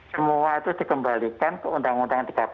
semua itu dikembalikan ke undang undang tiga belas